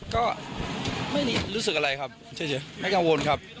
ก็ไม่รู้สึกอะไรครับเฉยไม่กังวลครับ